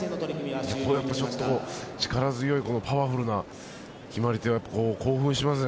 ちょっと力強いパワフルな決まり手は興奮しますね。